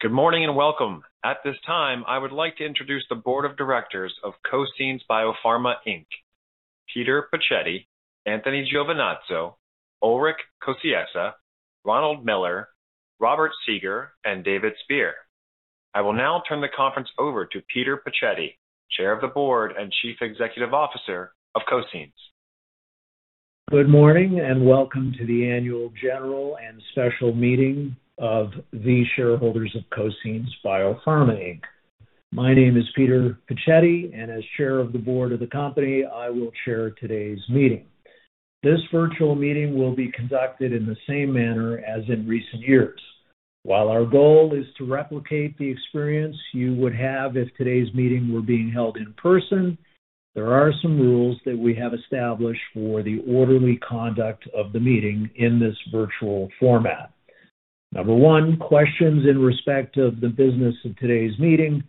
Good morning and welcome. At this time, I would like to introduce the Board of Directors of COSCIENS Biopharma Inc. Peter Puccetti, Anthony Giovinazzo, Ulrich Kosciessa, Ronald Miller, Robert Seager, and David Spear. I will now turn the conference over to Peter Puccetti, Chair of the Board and Chief Executive Officer of COSCIENS. Good morning and welcome to the annual general and special meeting of the shareholders of COSCIENS Biopharma Inc. My name is Peter Puccetti, and as Chair of the Board of the company, I will chair today's meeting. This virtual meeting will be conducted in the same manner as in recent years. While our goal is to replicate the experience you would have if today's meeting were being held in person, there are some rules that we have established for the orderly conduct of the meeting in this virtual format. Number 1, questions in respect of the business of today's meeting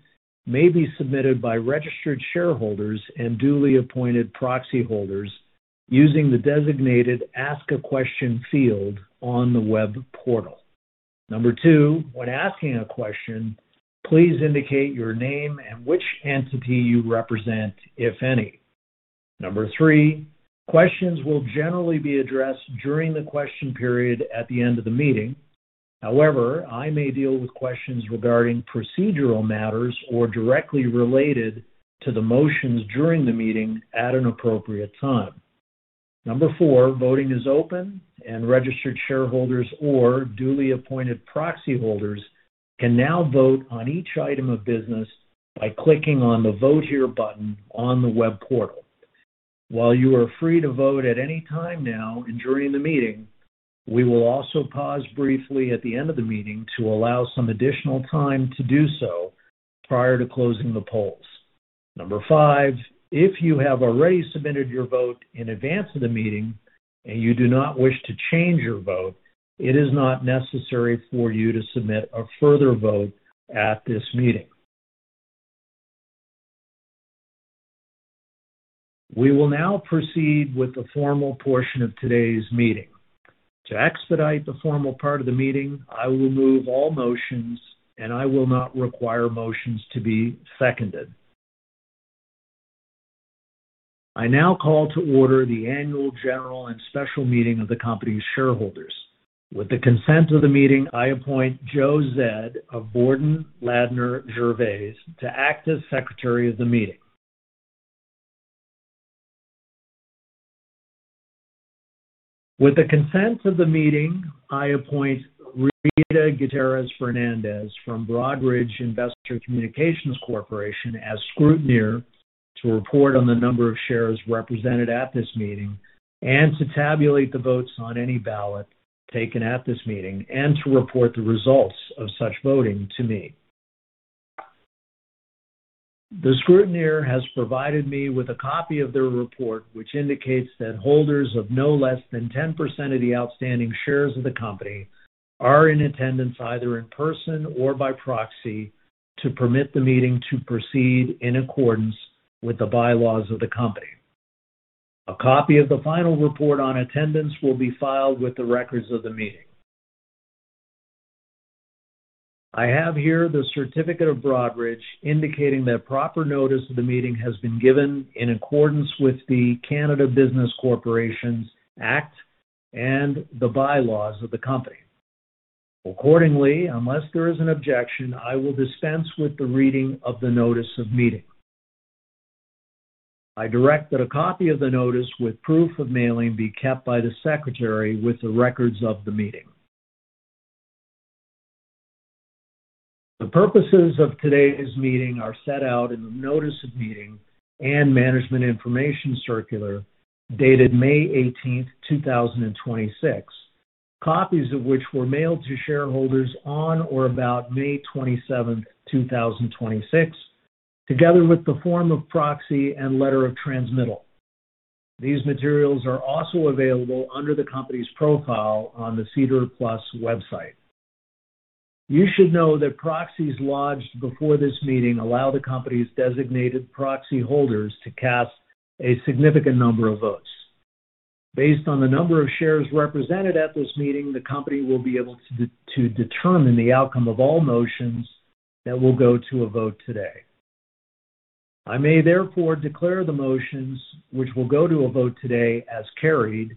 may be submitted by registered shareholders and duly appointed proxy holders using the designated Ask a Question field on the web portal. Number 2, when asking a question, please indicate your name and which entity you represent, if any. Number 3, questions will generally be addressed during the question period at the end of the meeting. However, I may deal with questions regarding procedural matters or directly related to the motions during the meeting at an appropriate time. Number 4, voting is open and registered shareholders or duly appointed proxy holders can now vote on each item of business by clicking on the Vote Here button on the web portal. While you are free to vote at any time now and during the meeting, we will also pause briefly at the end of the meeting to allow some additional time to do so prior to closing the polls. Number 5, if you have already submitted your vote in advance of the meeting and you do not wish to change your vote, it is not necessary for you to submit a further vote at this meeting. We will now proceed with the formal portion of today's meeting. To expedite the formal part of the meeting, I will move all motions, and I will not require motions to be seconded. I now call to order the annual general and special meeting of the company's shareholders. With the consent of the meeting, I appoint Joe Zed of Borden Ladner Gervais to act as Secretary of the Meeting. With the consent of the meeting, I appoint [Rita Gutierrez-Fernandez] from Broadridge Investor Communications Corporation as Scrutineer to report on the number of shares represented at this meeting and to tabulate the votes on any ballot taken at this meeting and to report the results of such voting to me. The scrutineer has provided me with a copy of their report, which indicates that holders of no less than 10% of the outstanding shares of the company are in attendance, either in person or by proxy, to permit the meeting to proceed in accordance with the bylaws of the company. A copy of the final report on attendance will be filed with the records of the meeting. I have here the certificate of Broadridge indicating that proper notice of the meeting has been given in accordance with the Canada Business Corporations Act and the bylaws of the company. Accordingly, unless there is an objection, I will dispense with the reading of the notice of meeting. I direct that a copy of the notice with proof of mailing be kept by the secretary with the records of the meeting. The purposes of today's meeting are set out in the Notice of Meeting and Management Information Circular dated May 18th, 2026, copies of which were mailed to shareholders on or about May 27th, 2026, together with the form of proxy and letter of transmittal. These materials are also available under the company's profile on the SEDAR+ website. You should know that proxies lodged before this meeting allow the company's designated proxy holders to cast a significant number of votes. Based on the number of shares represented at this meeting, the company will be able to determine the outcome of all motions that will go to a vote today. I may therefore declare the motions which will go to a vote today as carried,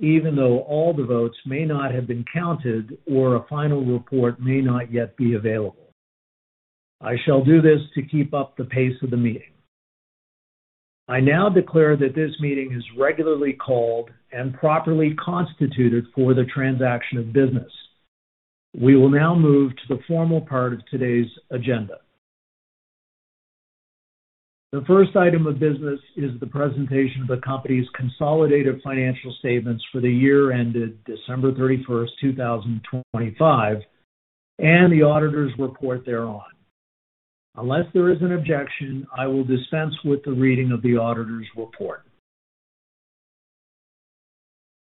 even though all the votes may not have been counted or a final report may not yet be available. I shall do this to keep up the pace of the meeting. I now declare that this meeting is regularly called and properly constituted for the transaction of business. We will now move to the formal part of today's agenda. The first item of business is the presentation of the company's consolidated financial statements for the year ended December 31st, 2025, and the auditor's report thereon. Unless there is an objection, I will dispense with the reading of the auditor's report.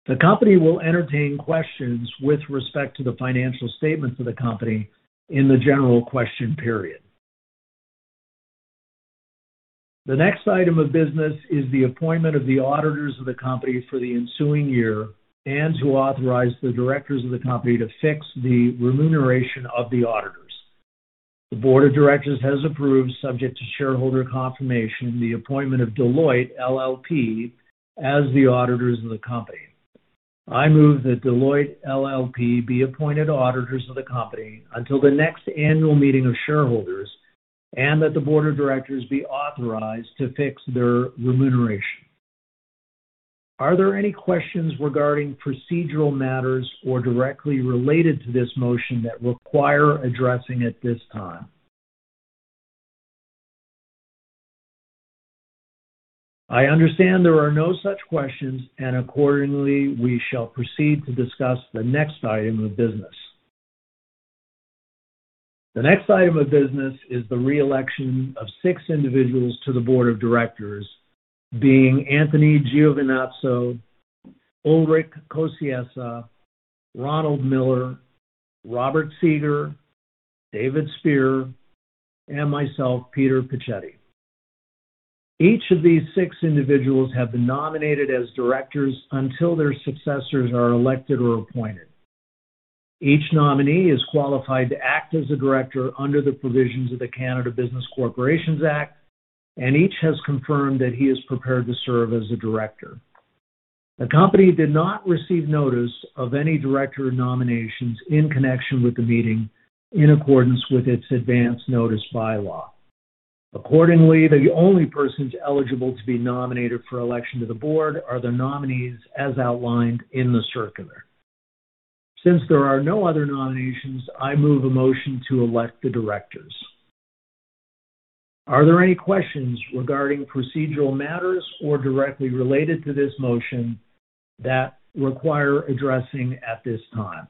The company will entertain questions with respect to the financial statements of the company in the general question period. The next item of business is the appointment of the auditors of the company for the ensuing year, and to authorize the directors of the company to fix the remuneration of the auditors. The board of directors has approved, subject to shareholder confirmation, the appointment of Deloitte LLP as the auditors of the company. I move that Deloitte LLP be appointed auditors of the company until the next annual meeting of shareholders, and that the board of directors be authorized to fix their remuneration. Are there any questions regarding procedural matters or directly related to this motion that require addressing at this time? I understand there are no such questions, and accordingly, we shall proceed to discuss the next item of business. The next item of business is the re-election of six individuals to the board of directors being Anthony Giovinazzo, Ulrich Kosciessa, Ronald Miller, Robert Seager, David Spear, and myself, Peter Puccetti. Each of these six individuals have been nominated as directors until their successors are elected or appointed. Each nominee is qualified to act as a director under the provisions of the Canada Business Corporations Act, and each has confirmed that he is prepared to serve as a director. The company did not receive notice of any director nominations in connection with the meeting in accordance with its advance notice bylaw. Accordingly, the only persons eligible to be nominated for election to the board are the nominees as outlined in the circular. Since there are no other nominations, I move a motion to elect the directors. Are there any questions regarding procedural matters or directly related to this motion that require addressing at this time?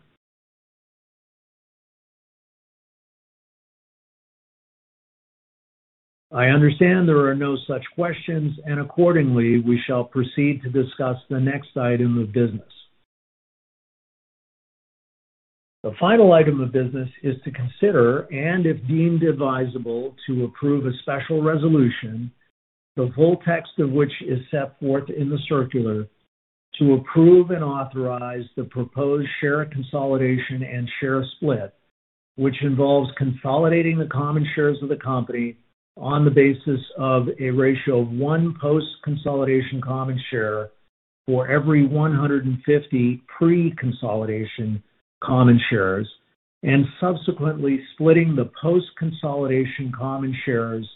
I understand there are no such questions, and accordingly, we shall proceed to discuss the next item of business. The final item of business is to consider, and if deemed advisable, to approve a special resolution, the full text of which is set forth in the circular to approve and authorize the proposed share consolidation and share split, which involves consolidating the common shares of the company on the basis of a ratio of one post-consolidation common share for every 150 pre-consolidation common shares, and subsequently splitting the post-consolidation common shares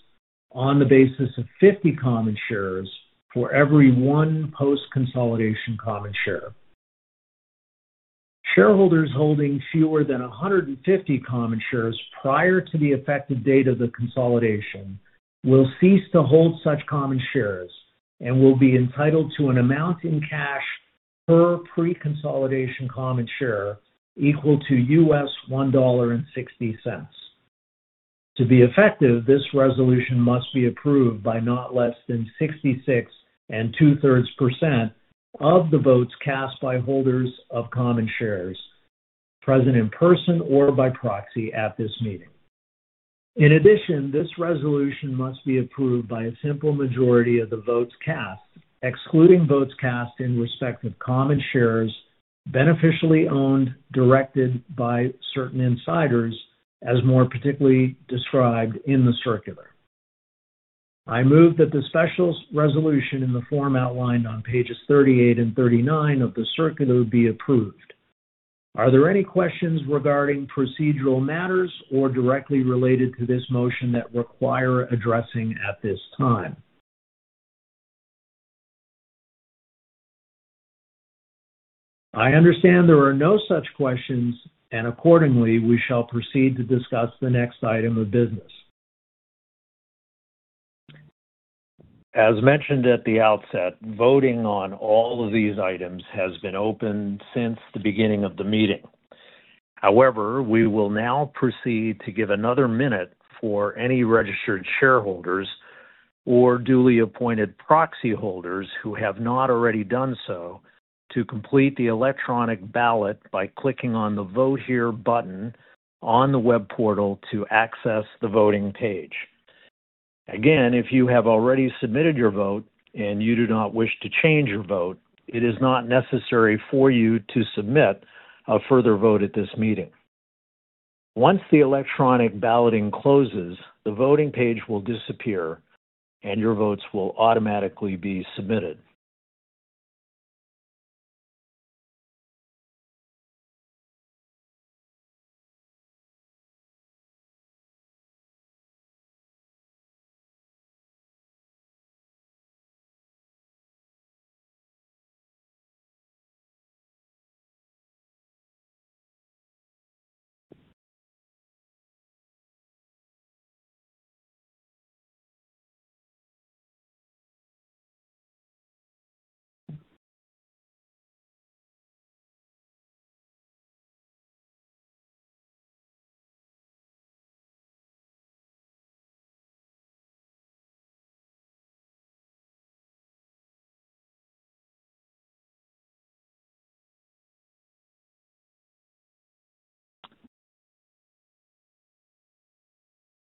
on the basis of 50 common shares for every one post-consolidation common share. Shareholders holding fewer than 150 common shares prior to the effective date of the consolidation will cease to hold such common shares and will be entitled to an amount in cash per pre-consolidation common share equal to $1.60. To be effective, this resolution must be approved by not less than 66 and two-thirds percent of the votes cast by holders of common shares, present in person or by proxy at this meeting. In addition, this resolution must be approved by a simple majority of the votes cast, excluding votes cast in respect of common shares beneficially owned, directed by certain insiders, as more particularly described in the circular. I move that the special resolution in the form outlined on pages 38 and 39 of the circular be approved. Are there any questions regarding procedural matters or directly related to this motion that require addressing at this time? I understand there are no such questions, and accordingly, we shall proceed to discuss the next item of business. As mentioned at the outset, voting on all of these items has been open since the beginning of the meeting. We will now proceed to give another minute for any registered shareholders or duly appointed proxy holders who have not already done so to complete the electronic ballot by clicking on the Vote Here button on the web portal to access the voting page. If you have already submitted your vote and you do not wish to change your vote, it is not necessary for you to submit a further vote at this meeting. Once the electronic balloting closes, the voting page will disappear, and your votes will automatically be submitted.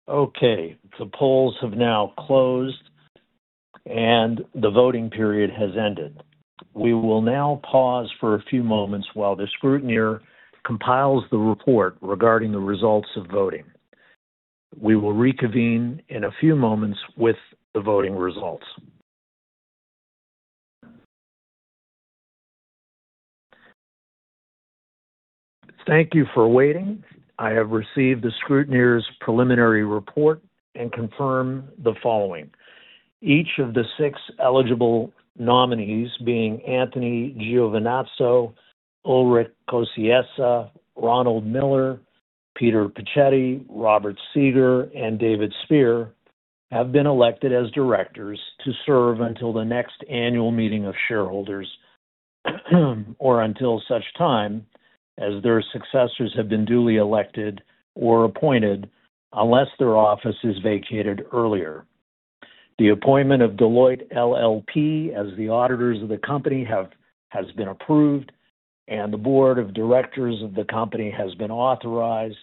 Okay. The polls have now closed, and the voting period has ended. We will now pause for a few moments while the scrutineer compiles the report regarding the results of voting. We will reconvene in a few moments with the voting results. Thank you for waiting. I have received the scrutineer's preliminary report and confirm the following. Each of the six eligible nominees, being Anthony Giovinazzo, Ulrich Kosciessa, Ronald Miller, Peter Puccetti, Robert Seager, and David Spear, have been elected as directors to serve until the next annual meeting of shareholders or until such time as their successors have been duly elected or appointed, unless their office is vacated earlier. The appointment of Deloitte LLP as the auditors of the company has been approved, and the board of directors of the company has been authorized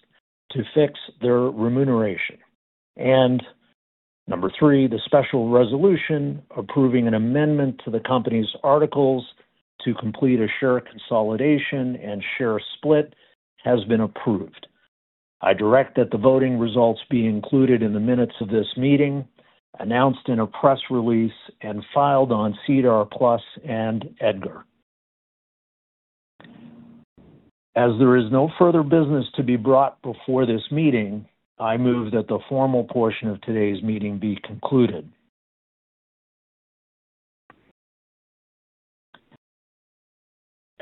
to fix their remuneration. Number 3, the special resolution approving an amendment to the company's articles to complete a share consolidation and share split has been approved. I direct that the voting results be included in the minutes of this meeting, announced in a press release, and filed on SEDAR+ and EDGAR. There is no further business to be brought before this meeting, I move that the formal portion of today's meeting be concluded.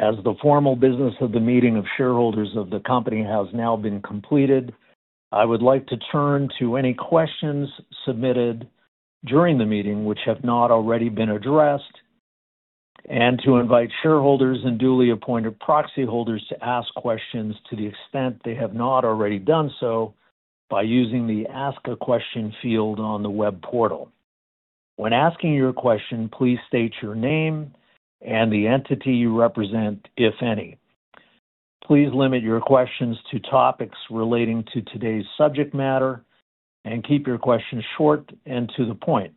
The formal business of the meeting of shareholders of the company has now been completed, I would like to turn to any questions submitted during the meeting which have not already been addressed and to invite shareholders and duly appointed proxy holders to ask questions to the extent they have not already done so by using the Ask a Question field on the web portal. When asking your question, please state your name and the entity you represent, if any. Please limit your questions to topics relating to today's subject matter and keep your questions short and to the point.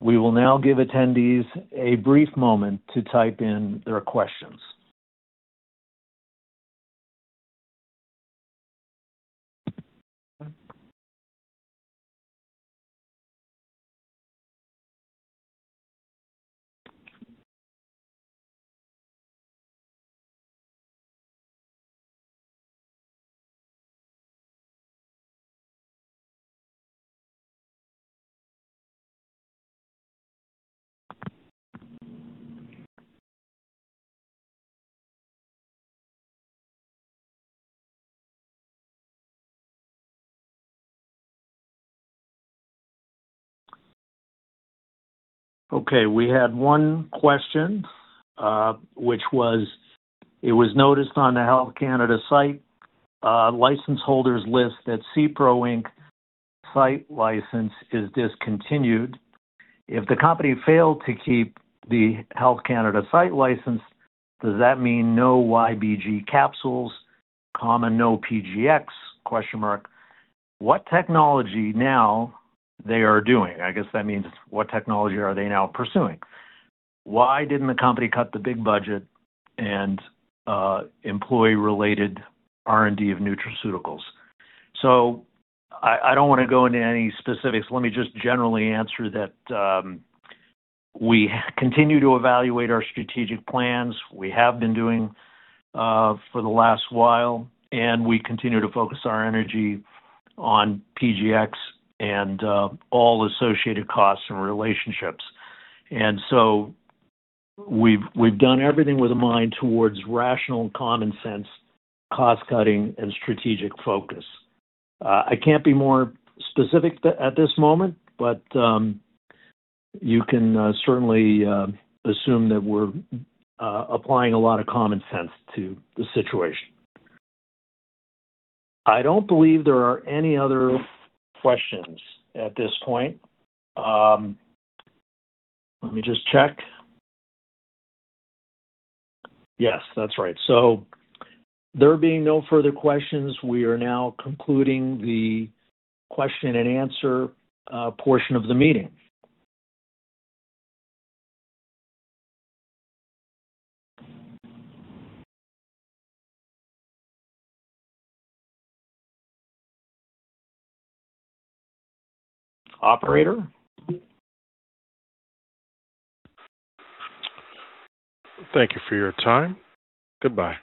We will now give attendees a brief moment to type in their questions. We had one question, which was, it was noticed on the Health Canada site license holders list that [Cipro Inc]. site license is discontinued. If the company failed to keep the Health Canada site license, does that mean no [YBG capsules], no PGX? What technology now they are doing? I guess that means what technology are they now pursuing. Why didn't the company cut the big budget and employee-related R&D of nutraceuticals? I don't want to go into any specifics. Let me just generally answer that we continue to evaluate our strategic plans. We have been doing for the last while, and we continue to focus our energy on PGX and all associated costs and relationships. We've done everything with a mind towards rational and common sense cost-cutting and strategic focus. I can't be more specific at this moment, but you can certainly assume that we're applying a lot of common sense to the situation. I don't believe there are any other questions at this point. Let me just check. Yes, that's right. There being no further questions, we are now concluding the question and answer portion of the meeting. Operator. Thank you for your time. Goodbye.